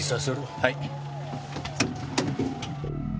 はい。